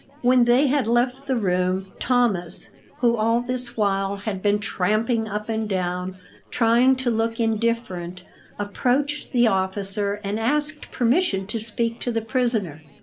When they had left the room, Thomas, who all this while had been tramping up and down, trying to look indifferent, approached the officer and asked permission to speak to the prisoner.